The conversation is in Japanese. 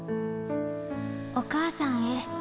お母さんへ。